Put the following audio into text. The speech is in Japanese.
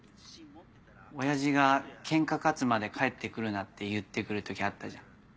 親父が「ケンカ勝つまで帰ってくるな」って言ってくる時あったじゃん。